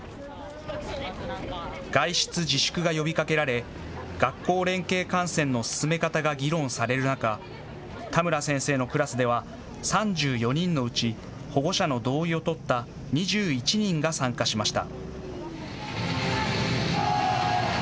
外出自粛が呼びかけられ学校連携観戦の進め方が議論される中、田村先生のクラスでは３４人のうち保護者の同意を取った２１人が参加しました。